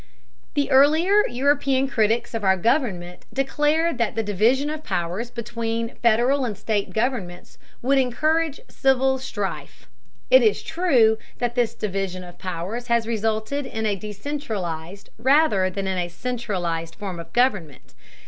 The earlier European critics of our government declared that the division of powers between Federal and state governments would encourage civil strife. It is true that this division of powers has resulted in a decentralized rather than in a centralized form of government.